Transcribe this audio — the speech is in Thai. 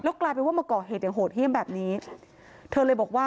กลายเป็นว่ามาก่อเหตุอย่างโหดเยี่ยมแบบนี้เธอเลยบอกว่า